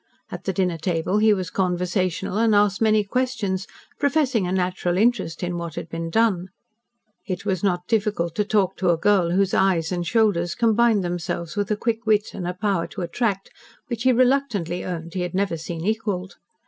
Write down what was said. At the dinner table he was conversational and asked many questions, professing a natural interest in what had been done. It was not difficult to talk to a girl whose eyes and shoulders combined themselves with a quick wit and a power to attract which he reluctantly owned he had never seen equalled.